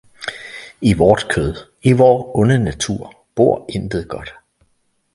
I vort kød, i vor onde natur, bor intet godt!